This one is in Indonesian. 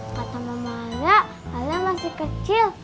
kata mama ala ala masih kecil